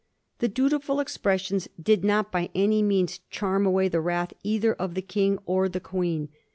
The dutiful expressions did not by any means charm away the wrath either of the King or the Queen.